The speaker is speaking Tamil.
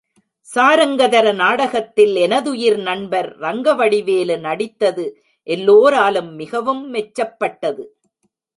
சாரங்கதர நாடகத்தில் எனதுயிர் நண்பர் ரங்கவடிவேலு நடித்தது எல்லோராலும் மிகவும் மெச்சப்பட்டது.